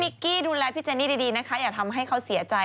กี้ดูแลพี่เจนี่ดีนะคะอย่าทำให้เขาเสียใจ